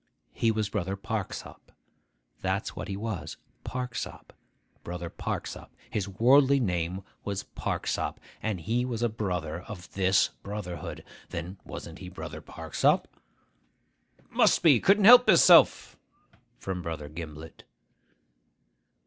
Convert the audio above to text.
He was Brother Parksop. That's what he was. Parksop; Brother Parksop. His worldly name was Parksop, and he was a brother of this brotherhood. Then wasn't he Brother Parksop?' ('Must be. Couldn't help hisself!' from Brother Gimblet.)